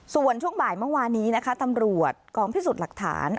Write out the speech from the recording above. ส่วนช่วงบ่ายเมื่อวานนี้นะคะตำรวจกองพิสูจน์หลักฐาน